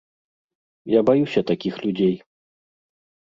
Я баюся такіх людзей.